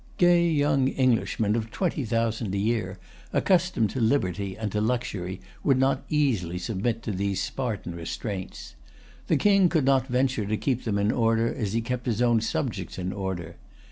Gay young Englishmen of twenty thousand a year, accustomed to liberty and to luxury, would not easily submit to these Spartan restraints. The King could not venture to keep them in order as he kept his own subjects in order.